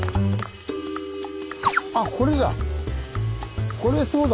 あっこれだ。